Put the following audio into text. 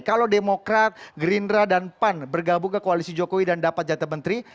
kalau demokrat gerindra dan pan bergabung ke koalisi jokowi dan dapat jatah menteri